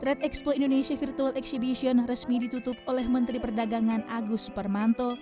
trade expo indonesia virtual exhibition resmi ditutup oleh menteri perdagangan agus suparmanto